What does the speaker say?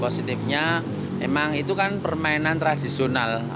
positifnya emang itu kan permainan tradisional